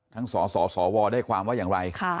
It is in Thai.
สสวได้ความว่าอย่างไร